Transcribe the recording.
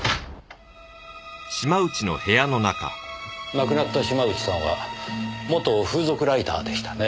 亡くなった島内さんは元風俗ライターでしたね？